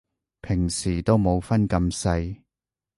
平時都冇分咁細